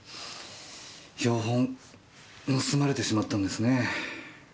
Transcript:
標本盗まれてしまったんですね。